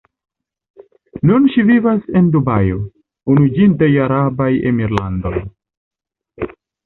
Nun ŝi vivas en Dubajo, Unuiĝintaj Arabaj Emirlandoj.